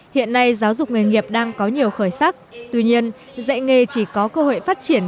hiện nay giáo dục nghề nghiệp đang có nhiều khởi sắc tuy nhiên dạy nghề chỉ có cơ hội phát triển